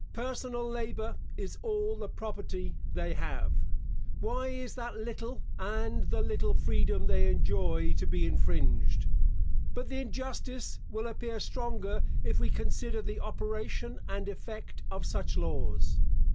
Personal labour is all the property they have. Why is that little, and the little freedom they enjoy, to be infringed? But the injustice will appear stronger, if we consider the operation and effect of such laws.